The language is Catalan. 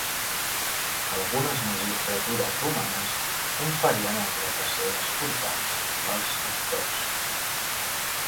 Algunes magistratures romanes conferien el dret a ser escortats pels lictors.